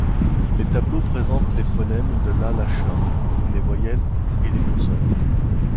Les tableaux présentent les phonèmes de l'alasha: les voyelles et les consonnes.